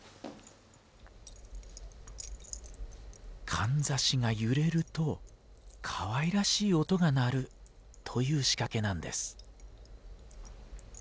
かんざしが揺れるとかわいらしい音が鳴るという仕掛けなんです。